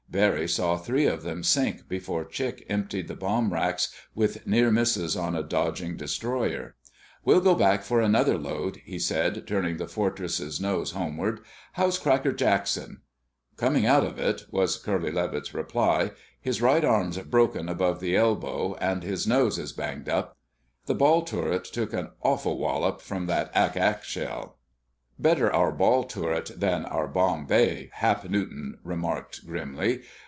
Barry saw three of them sink before Chick emptied the bomb racks with near misses on a dodging destroyer. "We'll go back for another load," he said, turning the Fortress's nose homeward. "How's Cracker Jackson?" "Coming out of it," was Curly Levitt's reply. "His right arm's broken above the elbow, and his nose is banged up. The ball turret took an awful wallop from that ack ack shell." "Better our ball turret than our bomb bay!" Hap Newton remarked grimly.